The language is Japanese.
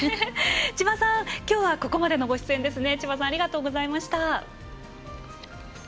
千葉さん、きょうはここまでのご出演ですね。